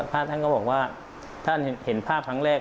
พระท่านก็บอกว่าท่านเห็นภาพครั้งแรก